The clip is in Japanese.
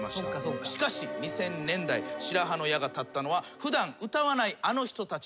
しかし２０００年代白羽の矢が立ったのは普段歌わないあの人たちでした。